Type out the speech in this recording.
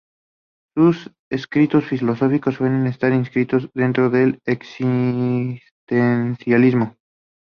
Sus escritos filosóficos suelen estar inscriptos dentro del existencialismo.